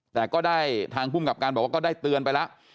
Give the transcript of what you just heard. แต่ก็ได้ทางภูมิกับการบอกว่าก็ได้เตือนไปแล้ว